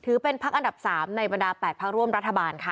ถือเป็นภักดิ์อันดับ๓ในบรรดา๘ภักดิ์ร่วมรัฐบาลค่ะ